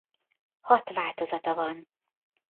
Hat változata van.